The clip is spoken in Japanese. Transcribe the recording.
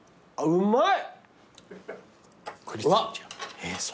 うまい！